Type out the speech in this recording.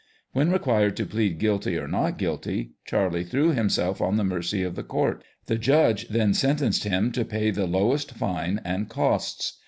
When required to plead guilty or not guilty, Charley threw himself on the mercy of the court. The judge then sentenced him to pay the lowest fine and costs.